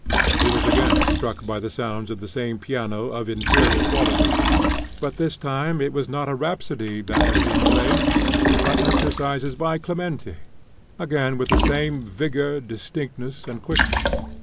He was again struck by the sounds of the same piano of inferior quality; but this time it was not a rhapsody that was being played, but exercises by Clementi, again with the same vigour, distinctness, and quickness.